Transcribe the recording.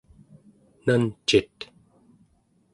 nancit?